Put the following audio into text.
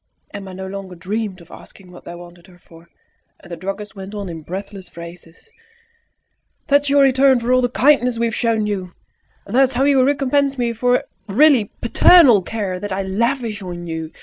Emma no longer dreamed of asking what they wanted her for, and the druggist went on in breathless phrases "That is your return for all the kindness we have shown you! That is how you recompense me for the really paternal care that I lavish on you!